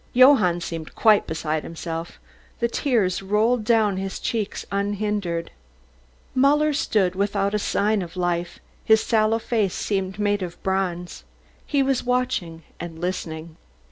Johann seemed quite beside himself, the tears rolled down his cheeks unhindered. Muller stood without a sign of life, his sallow face seemed made of bronze; he was watching and listening.